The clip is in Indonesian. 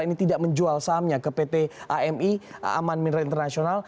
ini tidak menjual sahamnya ke pt ami aman mineral international